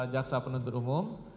jaksa penuntut umum